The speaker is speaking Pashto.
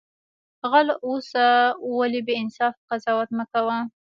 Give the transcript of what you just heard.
غل اوسه ولی بی انصافی قضاوت مکوه